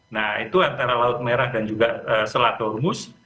nah itu antara laut merah dan juga selatormus